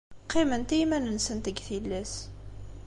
Qqiment i yiman-nsent deg tillas.